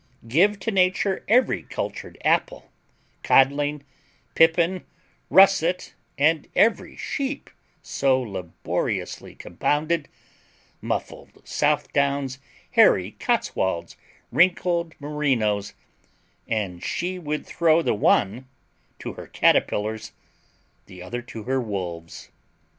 Give to Nature every cultured apple—codling, pippin, russet—and every sheep so laboriously compounded—muffled Southdowns, hairy Cotswolds, wrinkled Merinos—and she would throw the one to her caterpillars, the other to her wolves.